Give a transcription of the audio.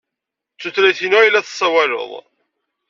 D tutlayt-inu ay la tessawaled.